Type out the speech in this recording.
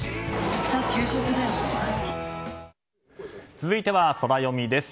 続いてはソラよみです。